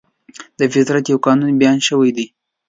د فطرت یو قانون بیان شوی دی.